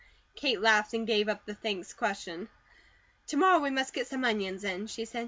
Kate laughed and gave up the thanks question. "To morrow we must get some onions in," she said.